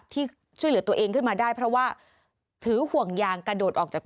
ที่ช่วยเหลือตัวเองขึ้นมาได้เพราะว่าถือห่วงยางกระโดดออกจาก